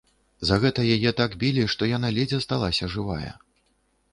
За гэта яе так білі, што яна ледзь асталася жывая.